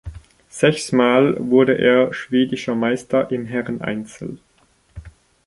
Sechsmal wurde er schwedischer Meister im Herren-Einzel.